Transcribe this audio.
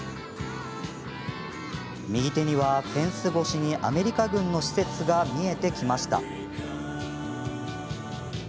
右手には、フェンス越しにアメリカ軍の施設が見えてきました。